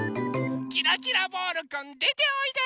キラキラボールくんでておいで！